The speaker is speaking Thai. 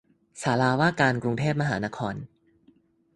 ศาลาว่าการกรุงเทพมหานคร